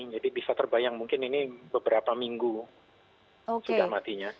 jadi bisa terbayang mungkin ini beberapa minggu sudah matinya